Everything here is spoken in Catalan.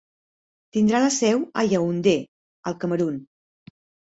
Tindrà la seu a Yaoundé, al Camerun.